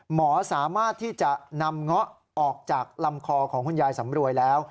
หมอสามารถที่จะนำเงาะออกจากลำคอของคุณยายสำรวยแล้ว